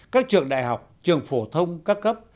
các trường đại học trường phổ thông các cấp